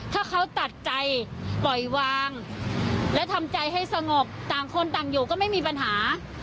ถ้าเขาตัดใจปล่อยวางและทำใจให้สงบต่างคนต่างอยู่ก็ไม่มีปัญหา